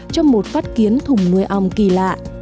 trong một phát kiến thùng nuôi ong kỳ lạ